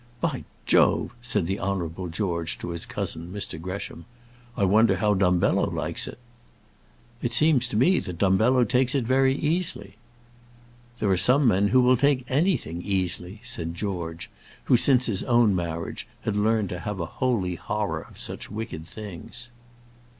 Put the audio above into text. "By Jove!" said the Honourable George to his cousin, Mr. Gresham, "I wonder how Dumbello likes it." "It seems to me that Dumbello takes it very easily." "There are some men who will take anything easily," said George, who, since his own marriage, had learned to have a holy horror of such wicked things.